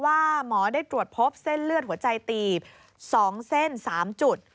หมอได้ตรวจพบเส้นเลือดหัวใจตีบ๒เส้น๓จุด